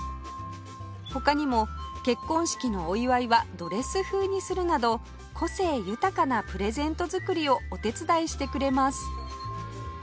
他にも結婚式のお祝いはドレス風にするなど個性豊かなプレゼント作りをお手伝いしてくれます